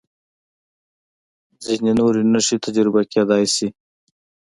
و ځینې نورې نښې تجربه کېدای شي.